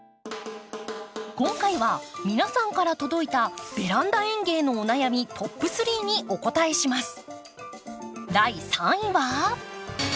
今回は皆さんから届いたベランダ園芸のお悩みトップ３にお答えします。